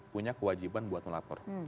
punya kewajiban buat melapor